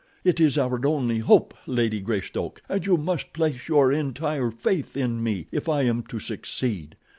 It is our only hope, Lady Greystoke, and you must place your entire faith in me if I am to succeed.